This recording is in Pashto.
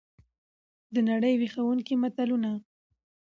دنړۍ ویښوونکي متلونه!